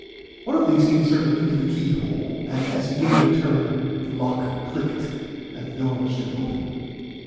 One of these he inserted into the keyhole, and as he gave it a turn, the lock clicked, and the door stood open.